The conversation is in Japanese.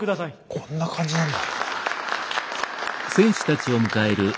こんな感じなんだ。